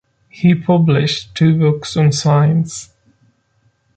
He published two books on science.